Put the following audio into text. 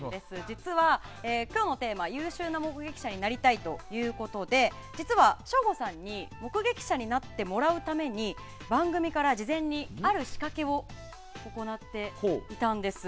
実は、今日のテーマ優秀な目撃者になりたいということで実は省吾さんに目撃者になってもらうために番組から事前にある仕掛けを行っていたんです。